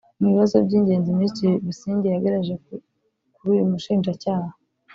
Mu bibazo by’ingenzi Minisitiri Busingye yagejeje kuri uyu Mushinjacyaha